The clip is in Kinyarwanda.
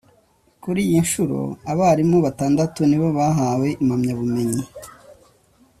Kuri iyi nshuro abarimu batandatu ni bo bahawe impamyabumenyi